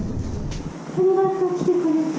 ありがとう来てくれて。